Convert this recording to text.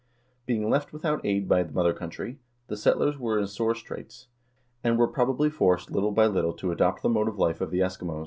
1 Being left without aid by the mother country, the settlers were in sore straits, and were, probably, forced little by little to adopt the mode of life of the Eskimos.